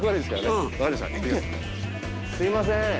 すいません。